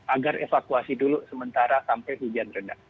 agar evakuasi dulu sementara sampai hujan rendah